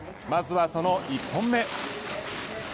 まずは、その１本目。